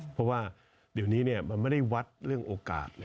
เพราะว่าเดี๋ยวนี้มันไม่ได้วัดเรื่องโอกาส